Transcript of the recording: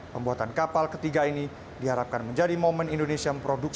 pembuatan kapal ketiga ini diharapkan menjadi momen indonesia memproduksi